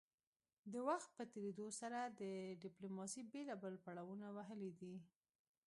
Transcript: د وخت په تیریدو سره ډیپلوماسي بیلابیل پړاونه وهلي دي